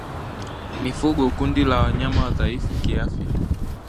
mifugo kundi la wanyama wadhaifu kiafya